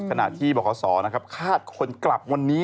ขณะที่บขศคาดคนกลับวันนี้